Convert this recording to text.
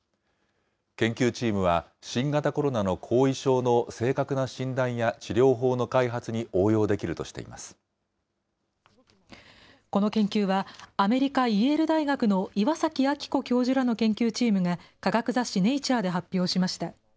研究チームは、新型コロナの後遺症の正確な診断や治療法の開発に応用できるとしこの研究は、アメリカ・イエール大学の岩崎明子教授らの研究チームが、科学雑誌、ネイチャーで発表しました。